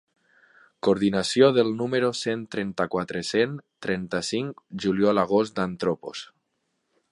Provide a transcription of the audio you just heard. Coordinació del número cent trenta-quatre-cent trenta-cinc juliol-agost d'Anthropos.